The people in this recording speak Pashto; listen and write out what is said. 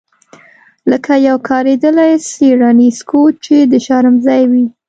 لکه یو کاریدلی څیړنیز کوچ چې د شرم ځای وي